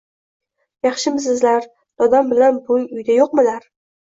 Yaxshimisilar, dodam bilan buvim uyda yukmilar.